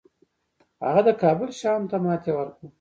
هغه د کابل شاهانو ته ماتې ورکړه